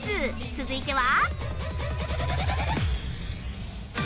続いては